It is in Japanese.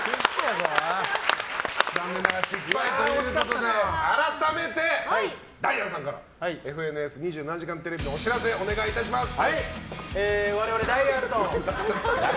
残念ながら失敗ということで改めて、ダイアンさんから「ＦＮＳ２７時間テレビ」のお知らせお願いします。